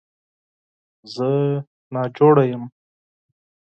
زه ناروغه یم .